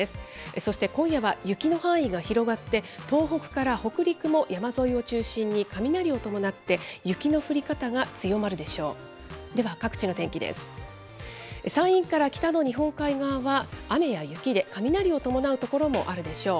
そして今夜は雪の範囲が広がって、東北から北陸も山沿いを中心に雷を伴って、雪の降り方が強まるでしょう。